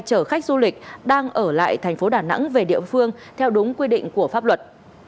chở khách du lịch đang ở lại tp hcm về địa phương theo đúng quy định của pháp luật